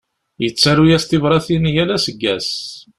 Yettaru-yas tibratin yal aseggas.